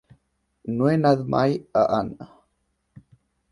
No he anat mai a Anna.